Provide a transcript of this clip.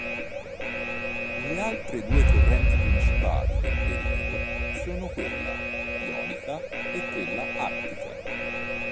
Le altre due correnti principali del periodo sono quella ionica e quella attica.